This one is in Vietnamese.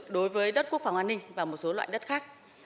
đối với đất quốc phòng an ninh và một số loại đất khác